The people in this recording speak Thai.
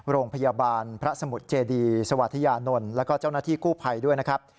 โรงพยาบาลพระสมุทรเจดีสวัสดียานนทร์และเจ้านาธิคู่ภัยด้วยนะครับ